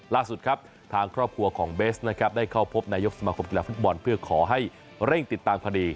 ล่าสุดครับทางครอบครัวของเบสนะครับได้เข้าพบนายกสมาคมกีฬาฟุตบอลเพื่อขอให้เร่งติดตามคดี